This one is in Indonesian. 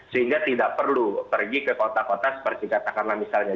sehingga tidak perlu pergi ke kota kota seperti katakanlah misalnya